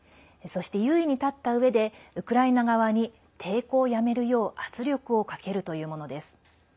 そして、優位に立ったうえでウクライナ側に抵抗をやめるよう圧力をかけるというものです。